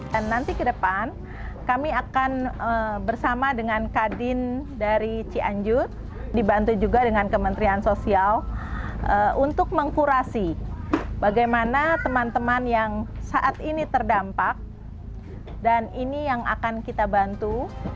dan nanti ke depan kami akan bersama dengan kadin dari cianjur dibantu juga dengan kementerian sosial untuk mengkurasi bagaimana teman teman yang saat ini terdampak dan ini yang akan kita bantu